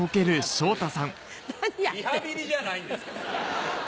リハビリじゃないんですから。